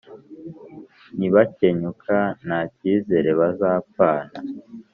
Nibakenyuka nta cyizere bazapfana,